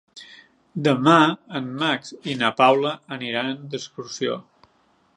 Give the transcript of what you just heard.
Demà en Max i na Paula aniran d'excursió.